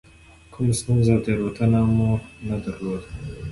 کومه ستونزه او تېروتنه مو نه درلوده.